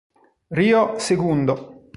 Río Segundo